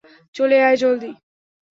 চলে আয় জলদি!